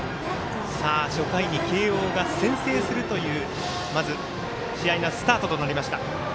初回に慶応が先制するというまず試合がスタートとなりました。